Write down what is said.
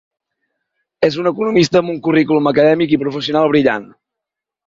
És una economista amb un currículum acadèmic i professional brillant.